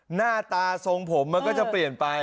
หน้าตาทรงผมมันก็จะเปลี่ยนไป